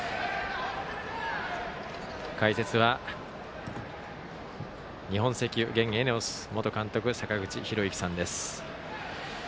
解説は日本石油現ＥＮＥＯＳ元監督坂口裕之さんです。